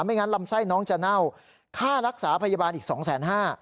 งั้นลำไส้น้องจะเน่าค่ารักษาพยาบาลอีกสองแสนห้า